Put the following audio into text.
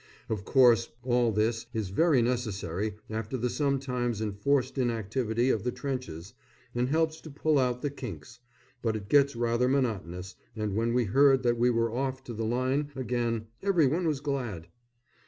Of course, all this is very necessary after the sometimes enforced inactivity of the trenches, and helps to pull out the kinks; but it gets rather monotonous, and when we heard that we were off to the line again every one was glad.